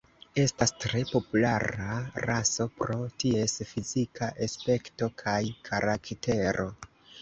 Estas tre populara raso pro ties fizika aspekto kaj karaktero.